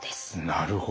なるほど。